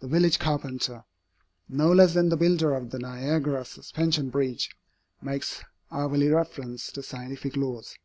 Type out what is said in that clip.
The village carpenter, no less than the builder of the Niagara Suspension Bridge, makes hourly reference to scientific laws.